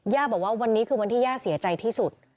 ย่าบอกว่าวันนี้คือวันที่ย่าเสียใจที่สุด